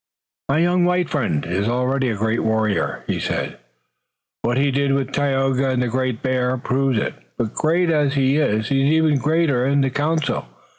"My young white friend is already a great warrior," he said. "What he did with Tayoga and the Great Bear proves it, but great as he is he is even greater in the council.